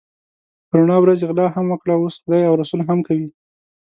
په رڼا ورځ یې غلا هم وکړه اوس خدای او رسول هم کوي.